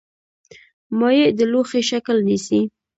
مایع د لوښي شکل نیسي.